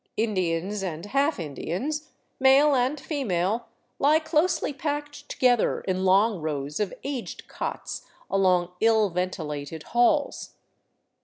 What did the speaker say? Indians and half Indians, male and female, lie closely packed together in long rows of aged cots along ill ventilated halls.